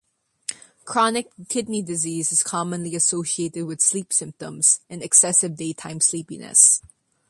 Chronic kidney disease is commonly associated with sleep symptoms and excessive daytime sleepiness.